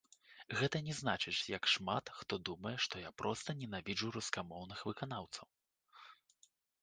Гэта не значыць, як шмат хто думае, што я проста ненавіджу рускамоўных выканаўцаў.